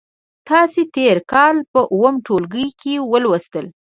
تاسې تېر کال په اووم ټولګي کې ولوستل.